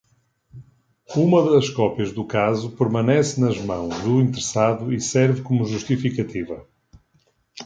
Uma das cópias do caso permanece nas mãos do interessado e serve como justificativa.